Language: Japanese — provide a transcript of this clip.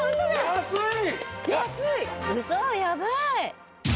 安い！